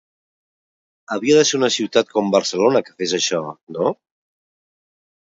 Havia de ser una ciutat com Barcelona que fes això, no?